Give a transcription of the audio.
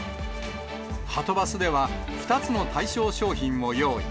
はとバスでは、２つの対象商品を用意。